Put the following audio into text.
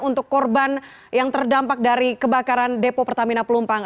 untuk korban yang terdampak dari kebakaran depo pertamina pelumpang